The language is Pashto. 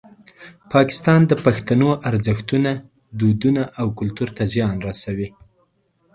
پاکستان د پښتنو ارزښتونه، دودونه او کلتور ته زیان رسوي.